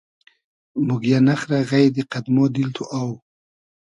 موگیۂ نئخرۂ غݷدی قئد مۉ دیل تو اۆ